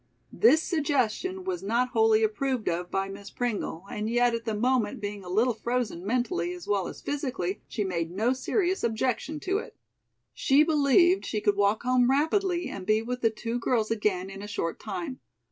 This suggestion was not wholly approved of by Miss Pringle and yet at the moment, being a little frozen mentally as well as physically, she made no serious objection to it. She believed she could walk home rapidly and be with the two girls again in a short time.